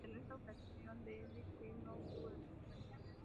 En esta ocasión, Dewitt Clinton, no obtuvo representación.